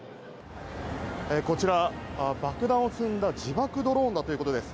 こちら、爆弾を積んだ自爆ドローンだということです。